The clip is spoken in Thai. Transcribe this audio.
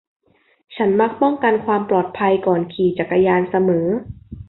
ฉันมักป้องกันความปลอดภัยก่อนขี่จักรยานเสมอ